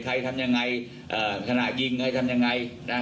ทำยังไงเอ่อขณะยิงใครทำยังไงนะ